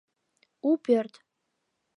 У ПӦРТ